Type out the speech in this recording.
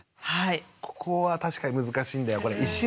ここは確かに難しいんだよこれ。